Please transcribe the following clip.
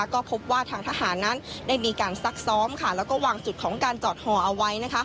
ก็พบว่าทางทหารนั้นได้มีการซักซ้อมแล้วก็วางจุดของการจอดห่อเอาไว้